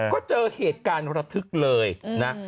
ก็เจอเหตุการณ์ระทึกเลยนะ